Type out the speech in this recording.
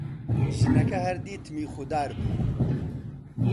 ژنەکە هەر دیتمی خودار بوو: